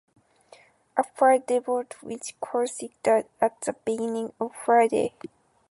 A fight developed in which Kostic died at the beginning of February.